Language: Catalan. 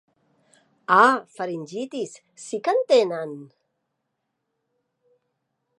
Ah, faringitis sí que en tenen.